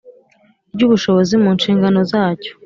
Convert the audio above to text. ry ubushobozi mu nshingano zacyo